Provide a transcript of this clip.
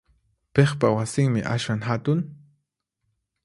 Piqpa wasinmi aswan hatun?